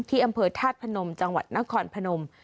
ที่อำเภอธาตุพนมจังหวัดนครพนม